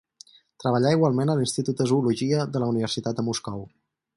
Treballà igualment a l'Institut de Zoologia de la Universitat de Moscou.